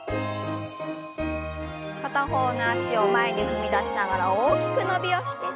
片方の脚を前に踏み出しながら大きく伸びをして。